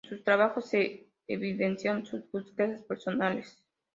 En sus trabajos se evidencian sus búsquedas personales.